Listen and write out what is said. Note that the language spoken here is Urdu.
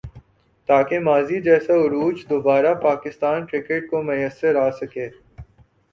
تاکہ ماضی جیسا عروج دوبارہ پاکستان کرکٹ کو میسر آ سکے ۔